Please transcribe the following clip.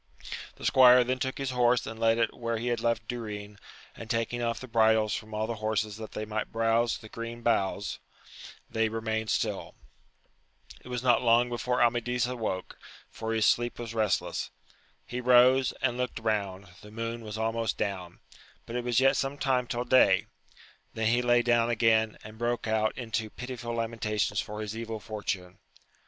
The squire then took his horse and led it where he had left Durin, and taking off the bridles from all the horses that they might browze the green boughs, they remained stilL It was not long before Amadis awoke, for his sleep was restless : he rose, and looked round : the moon was almost down, but it was yet some ti»"« till day ; then he lay down again, and broke or pitiful lamentations for his evil fortune.